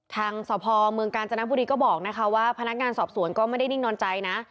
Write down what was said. ทางสพเมืองกาญจนบุรีก็บอกนะคะว่าพนักงานสอบสวนก็ไม่ได้นิ่งนอนใจนะ